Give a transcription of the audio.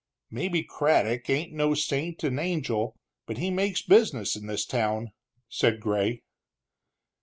"Maybe Craddock ain't no saint and angel, but he makes business in this town," said Gray.